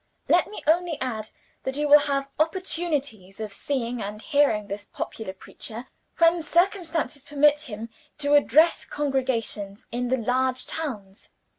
"Let me only add, that you will have opportunities of seeing and hearing this popular preacher, when circumstances permit him to address congregations in the large towns.